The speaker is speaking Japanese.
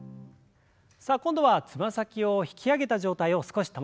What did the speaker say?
さあ今度はつま先を引き上げた状態を少し保ちます。